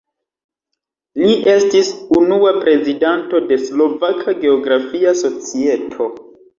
Li estis unua prezidanto de Slovaka geografia societo.